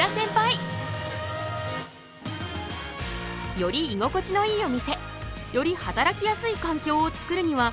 より居心地のいいお店より働きやすい環境をつくるにはどうしたらいいか。